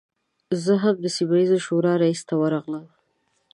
زه هم د سیمه ییزې شورا رئیس ته ورغلم.